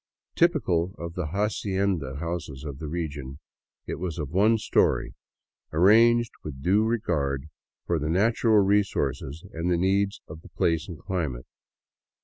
Typical of the hacienda houses of the region, it was of one story, arranged with due regard for the natural resources and the needs of the place and climate.